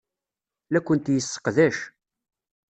La kent-yesseqdac.